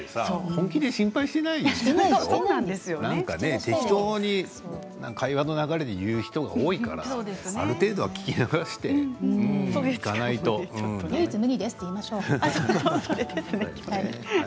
本気で心配してない人だよなんか適当に会話の流れで言う人が多いからある程度は聞き流して唯一無二だと言いましょう。